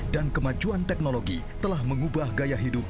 dan kemajuan teknologi telah mengubah gaya hidup